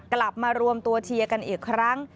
กลับมารวมตัวเชียร์กันอีกครั้ง